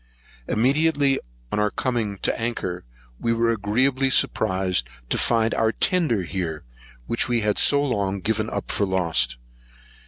Immediately on our coming to anchor, we were agreeably surprised to find our tender here which we had so long given up for lost.